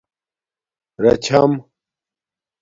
راچھم